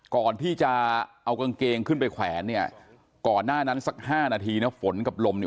ก่อนที่จะเอากางเกงขึ้นไปแขวนเนี่ยก่อนหน้านั้นสัก๕นาทีนะฝนกับลมเนี่ย